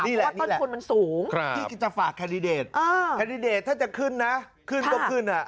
นี่แหละนี่แหละพี่จะฝากคาดิเดตคาดิเดตถ้าจะขึ้นนะขึ้นก็ขึ้น